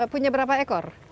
punya berapa ekor